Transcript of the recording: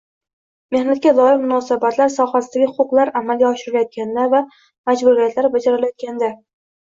mehnatga doir munosabatlar sohasidagi huquqlar amalga oshirilayotganda va majburiyatlar bajarilayotganda;